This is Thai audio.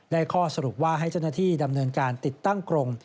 ข้อสรุปว่าให้เจ้าหน้าที่ดำเนินการติดตั้งกรง